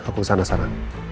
aku kesana sana